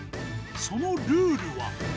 そのルールは。